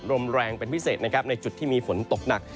ลมแรงเป็นพิเศษนะครับในจุดที่มีฝนตกหนัก